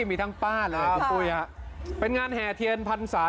มีทั้งป้าครับผมฟูยครับเป็นงานแห่เทียนพันสา